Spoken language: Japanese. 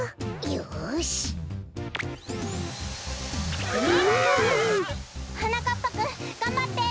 よし！はなかっぱくんがんばって！